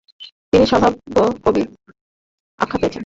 তিনি ‘স্বভাব কবি’আখ্যা পেয়েছেন।